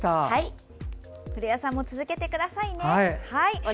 古谷さんも続けてくださいね。